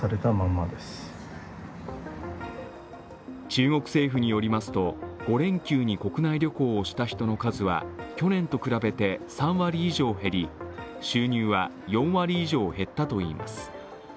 中国政府によりますと５連休に国内旅行をした人の数は去年と比べて３割以上減り収入は４割以上減ったといいます。